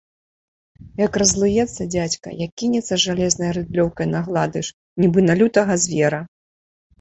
Як раззлуецца дзядзька, як кінецца з жалезнай рыдлёўкай на гладыш, нібы на лютага звера.